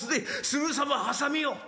すぐさまはさみを！」。